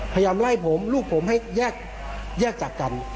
พยายามไล่ผมลูกผมให้แยกจากกัน